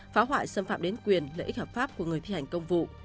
phá hoại xâm phạm đến quyền lợi ích hợp pháp của người thi hành công vụ